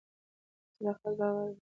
صداقت باور دی.